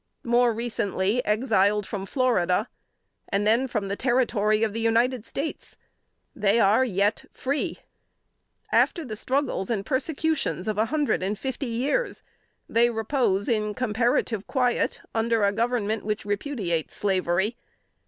More recently exiled from Florida and from the territory of the United States they are yet free! After the struggles and persecutions of a hundred and fifty years, they repose in comparative quiet under a government which repudiates slavery.